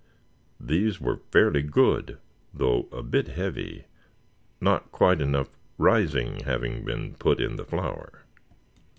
These were fairly good, though a bit heavy, not quite enough "rising" having been put in the flour.